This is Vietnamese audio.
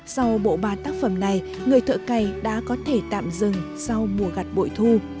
sau bộ ba tác phẩm này người thợ cày đã có thể tạm dừng sau mùa gặt bội thu